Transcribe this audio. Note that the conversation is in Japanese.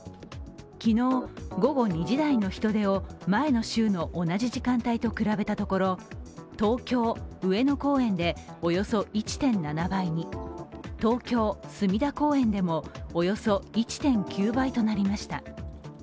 昨日午後２時台の人出を前の週の同じ時間帯と比べたところ東京・上野公園でおよそ１．７倍に、東京・隅田公園でもおよそ１．９倍となりました。